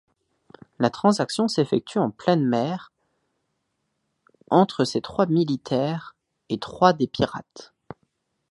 La transaction s'effectue en pleine mer entre ces trois militaires et trois des pirates.